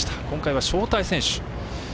今回は招待選手。